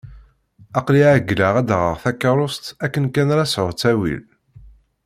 Aql-i εewwleɣ ad d-aɣeɣ takeṛṛust akken kan ara sεuɣ ttawil.